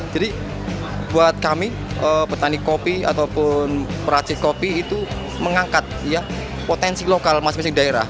jadi buat kami petani kopi ataupun peracik kopi itu mengangkat potensi lokal masing masing daerah